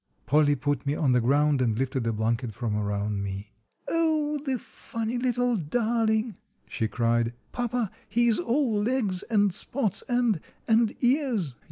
Polly put me on the ground and lifted the blanket from around me. "Oh, the funny little darling!" she cried. "Papa, he is all legs and spots, and—and ears."